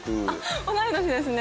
同い年ですね。